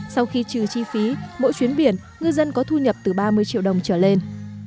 sau khi trừ chi phí mỗi chuyến biển ngư dân có thu nhập từ ba mươi triệu đồng trở lên